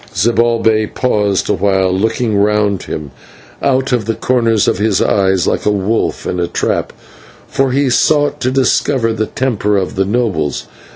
Zibalbay paused awhile, looking round him out of the corners of his eyes, like a wolf in a trap, for he sought to discover the temper of the nobles.